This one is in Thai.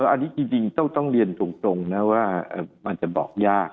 อันนี้จริงต้องเรียนตรงนะว่ามันจะบอกยาก